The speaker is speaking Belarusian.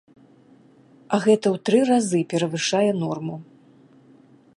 А гэта ў тры разы перавышае норму!